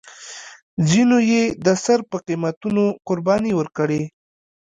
ځینو یې د سر په قیمتونو قربانۍ ورکړې.